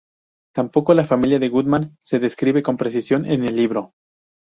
Tampoco la familia de Goldman se describe con precisión en el libro.